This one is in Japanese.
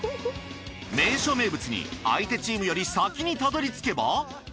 名所名物に相手チームより先にたどり着けば。